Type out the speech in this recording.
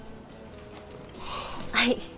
はい。